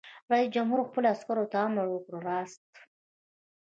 رئیس جمهور خپلو عسکرو ته امر وکړ؛ راست!